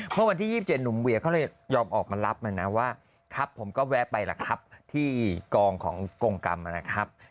เมื่อวันที่๒๗หนุ่มเวียเขาเลยยอมออกมารับมันนะว่าครับผมก็แวะไปล่ะครับที่กองของกรงกรรมนะครับ